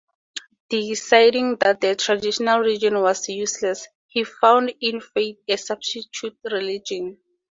Deciding that the traditional religion was useless, he found in fate a substitute religion.